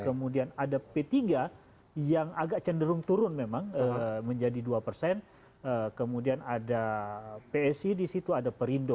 kemudian ada p tiga yang agak cenderung turun memang menjadi dua persen kemudian ada psi di situ ada perindo